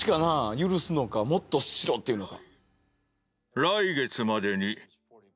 許すのかもっとしろって言うのか。